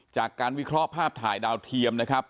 จากการวิเคราะห์ภาพถ่ายดาวเทียมนะครับ